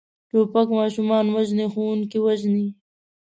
توپک ماشومان وژني، ښوونکي وژني.